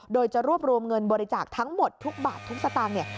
โดยจะรวบรวมเงินบริจาคทั้งหมดทุกบาททุกสตางค์เนี่ย